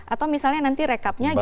atau misalnya nanti rekapnya gitu